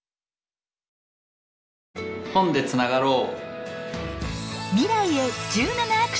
本でつながろう！